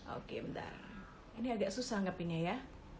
oke bentar ini agak susah ngapainnya ya